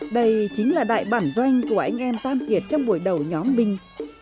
đây chính là đại bản doanh của anh em tam kiệt trong buổi đầu nhóm binh